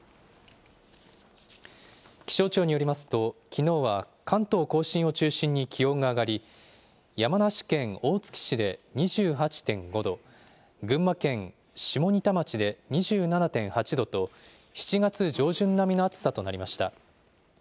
気象庁によりますと、きのうは関東甲信を中心に気温が上がり、山梨県大月市で２８．５度、群馬県下仁田町で２７．８度と、７月上旬並みの暑さとなりました。